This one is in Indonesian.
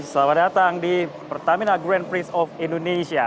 selamat datang di pertamina grand prix of indonesia